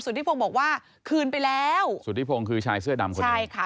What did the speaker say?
ธิพงศ์บอกว่าคืนไปแล้วสุธิพงศ์คือชายเสื้อดำคนนี้ใช่ค่ะ